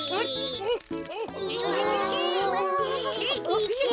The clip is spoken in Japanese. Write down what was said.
いけ！